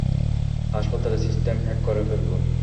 হাসপাতালের system hack করে ফেলব?